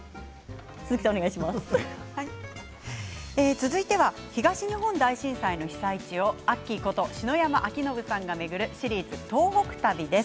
続いては東日本大震災の被災地をアッキーこと俳優の篠山輝信さんが巡る「東北旅」です。